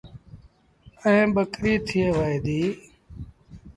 ائيٚݩ ٻڪريٚ ٿئي وهي۔